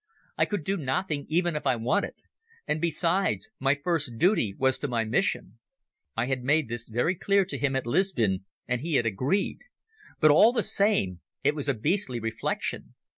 I could do nothing even if I wanted, and, besides, my first duty was to my mission. I had made this very clear to him at Lisbon and he had agreed, but all the same it was a beastly reflection.